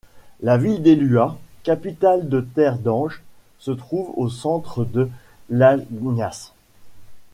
La ville d'Elua, capitale de Terre d'Ange, se trouve au centre de l'Agnace.